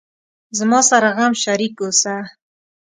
زما سره غم شریک اوسه